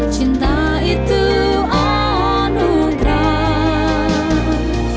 cinta itu anugerah